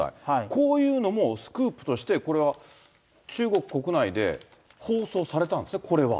こういうのもスクープとして、これは中国国内で放送されたんですね、これは。